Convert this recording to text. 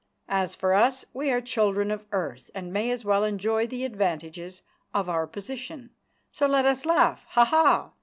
As for us, we are children of earth, and may as well enjoy the advantages of our position. So let us laugh, "Ha, ha!"